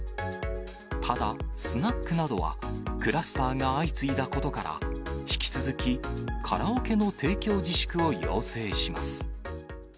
ただ、スナックなどはクラスターが相次いだことから、引き続きカラオケの提供自粛を要請します。